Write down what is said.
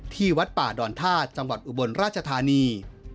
ที่วัดป่าดอนธาตุจังหวัดอุบลราชธานี